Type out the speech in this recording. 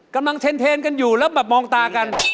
กำลังเทนกันอยู่แล้วแบบมองตากัน